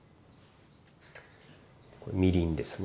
これみりんですね。